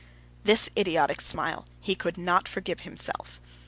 This idiotic smile he could not forgive himself.